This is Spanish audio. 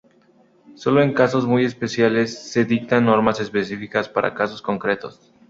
Solo en casos muy especiales se dictan normas específicas para casos concretos.